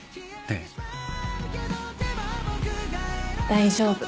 大丈夫。